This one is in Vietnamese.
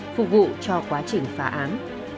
phục vụ cho quá trình phá án